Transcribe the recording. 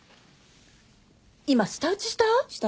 今舌打ちした？